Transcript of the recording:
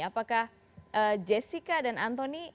apakah jessica dan anthony